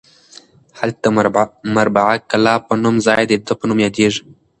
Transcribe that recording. هلته د مربعة کلاب په نوم ځای د ده په نوم یادیږي.